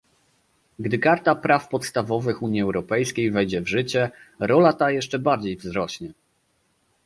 Gdy karta praw podstawowych Unii Europejskiej wejdzie w życie, rola ta jeszcze bardziej wzrośnie